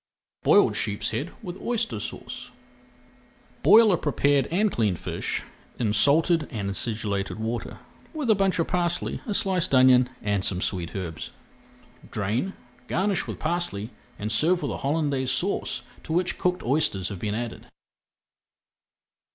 BOILED SHEEPSHEAD WITH OYSTER SAUCE Boil a prepared and cleaned fish in salted and acidulated water with a bunch of parsley, a sliced onion, and some sweet herbs. Drain, garnish with parsley, and serve with a Holandaise Sauce to which cooked oysters have been added.